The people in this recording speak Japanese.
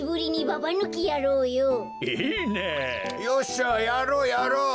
よっしゃやろうやろう！